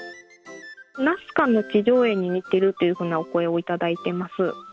ナスカの地上絵に似てるというふうなお声を頂いてます。